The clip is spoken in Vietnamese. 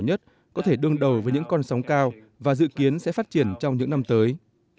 nhất có thể đương đầu với những con sóng cao và dự kiến sẽ phát triển trong những năm tới